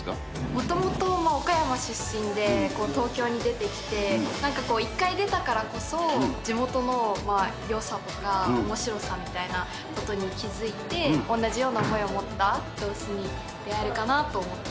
もともと岡山出身で、東京に出てきて、なんか１回出たからこそ、地元のよさとか、おもしろさみたいなことに気付いて、同じような思いを持った同志に出会えるかなと思って。